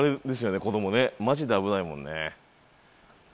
子供ねマジで危ないもんね。